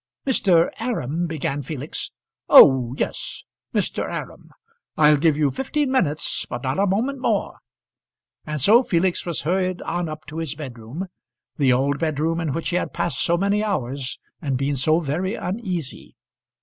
"Mr. Aram " began Felix. "Oh, yes, Mr. Aram! I'll give you fifteen minutes, but not a moment more." And so Felix was hurried on up to his bedroom the old bedroom in which he had passed so many hours, and been so very uneasy.